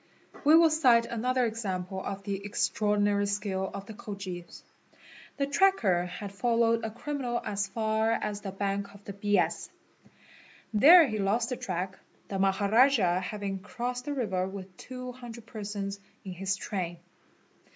' We will cite another example of the extraordinary skill of the Khojis. ~The tracker had followed a criminal as far as the bank of the Bias. "There he lost the track, the Maharajah having crossed the river with 200 persons in his train.